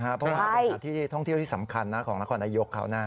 เพราะว่าเป็นสถานที่ท่องเที่ยวที่สำคัญนะของนครนายกเขานะ